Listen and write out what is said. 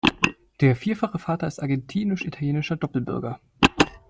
Der vierfache Vater ist argentinisch-italienischer Doppelbürger.